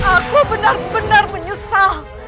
aku benar benar menyusah